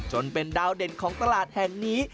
จนเป็นดาวเด่นของตลาดแห่งนี้